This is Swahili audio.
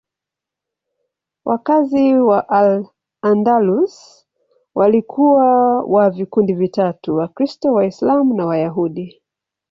Wakazi wa Al-Andalus walikuwa wa vikundi vitatu: Wakristo, Waislamu na Wayahudi.